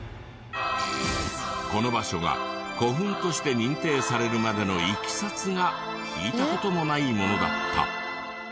この場所が古墳として認定されるまでのいきさつが聞いた事もないものだった。